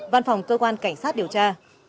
văn phòng cơ quan cảnh sát điều tra